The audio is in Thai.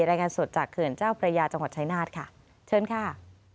รายงานสดจากเขื่อนเจ้าพระยาจังหวัดชายนาฏค่ะเชิญค่ะ